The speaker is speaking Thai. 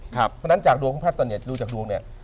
เพราะฉะนั้นจากดวงของแพทย์ตอนนี้ดูจากดวงเนี่ย